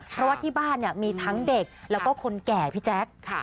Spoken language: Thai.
เพราะว่าที่บ้านมีทั้งเด็กแล้วก็คนแก่พี่แจ๊ค